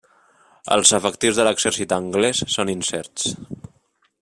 Els efectius de l'exèrcit anglès són incerts.